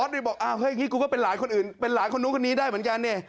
ออสุดยอดอยากบอกเฮ้ยกูก็เป็นร้านคนอื่นเป็นร้านคนนู้นนี้ด้วยเหมือนกันเน่